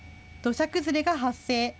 土砂崩れが発生。